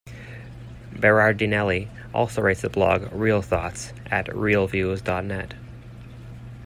Berardinelli also writes the blog ReelThoughts at Reelviews dot net.